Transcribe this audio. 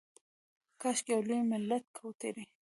کاشکي یو لوی ملت کوترې